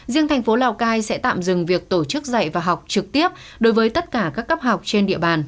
riêng thành phố lào cai sẽ tạm dừng việc tổ chức dạy và học trực tiếp đối với tất cả các cấp học trên địa bàn